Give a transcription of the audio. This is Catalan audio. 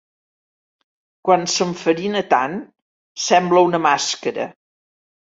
Quan s'enfarina tant, sembla una màscara.